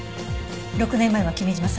６年前は君嶋さん